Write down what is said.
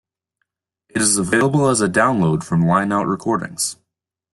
It is available as a download from Line Out Recordings.